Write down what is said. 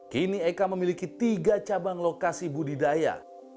kini eka memiliki tiga cabang lokasi budidaya